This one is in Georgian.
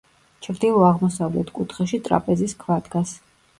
ჩრდილო-აღმოსავლეთ კუთხეში ტრაპეზის ქვა დგას.